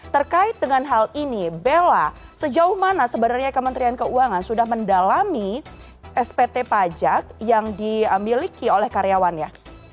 terkait dengan hal ini bella sejauh mana sebenarnya kementerian keuangan sudah mendalami spt pajak yang dimiliki oleh karyawannya